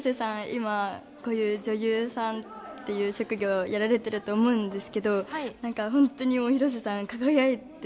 今こういう女優さんっていう職業をやられてると思うんですけど何か本当に広瀬さん輝いてて。